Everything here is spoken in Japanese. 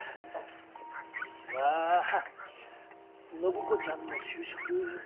実は暢子ちゃんの就職。